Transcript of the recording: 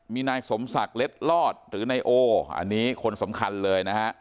มีนายสมศักดิ์เล็ดลอดหรือนายโออันนี้คนสำคัญเลยนะฮะ